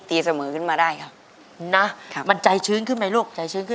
ดีใจมากตีเสมอกันได้นะมันใจชื้นขึ้นมั้ยลูก